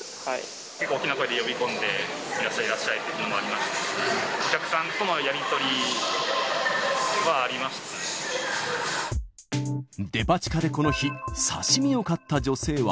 結構大きな声で呼び込んで、いらっしゃい、いらっしゃいというのもありましたし、お客さんとデパ地下でこの日、刺身を買った女性は。